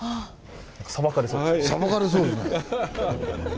裁かれそうですね。